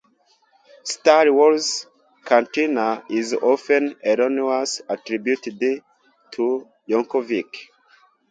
"Star Wars Cantina" is often erroneously attributed to Yankovic.